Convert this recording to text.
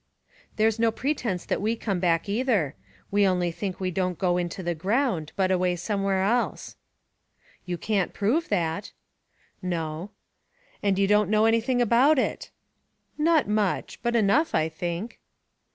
"There's no pretence that we come back either. We only think we don't go into the ground, but away somewhere else." "You can't prove that." "No." "And you don't know anything about it!" "Not much but enough, I think."